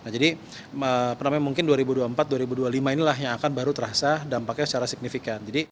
jadi mungkin dua ribu dua puluh empat dua ribu dua puluh lima inilah yang akan baru terasa dampaknya secara signifikan